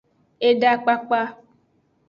Eda kpakpa.